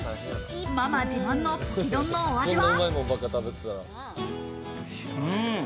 ママ自慢のポキ丼のお味は？